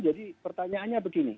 jadi pertanyaannya begini